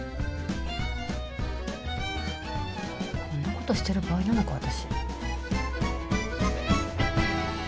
こんなことしてる場合なのか私。